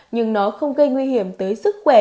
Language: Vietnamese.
nhưng nó không gây nguy hiểm tới sức khỏe